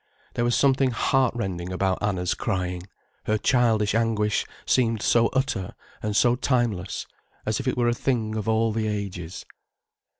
There was something heart rending about Anna's crying, her childish anguish seemed so utter and so timeless, as if it were a thing of all the ages.